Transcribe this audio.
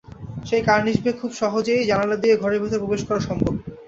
সেই কার্নিশ বেয়ে খুব সহজেই জানালা দিয়ে ঘরের ভেতর প্রবেশ করা সম্ভব।